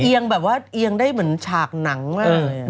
อุ๊ยเอียงแบบว่าเอียงได้เหมือนฉากหนังมากเลย